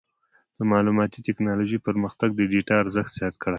د معلوماتي ټکنالوجۍ پرمختګ د ډیټا ارزښت زیات کړی دی.